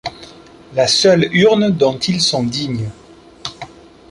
La seule urne dont ils sont dignes.